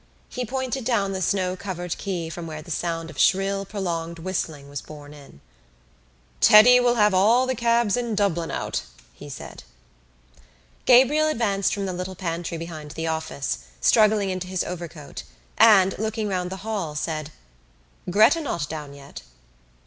He pointed down the snow covered quay from where the sound of shrill prolonged whistling was borne in. "Teddy will have all the cabs in Dublin out," he said. Gabriel advanced from the little pantry behind the office, struggling into his overcoat and, looking round the hall, said: "Gretta not down yet?"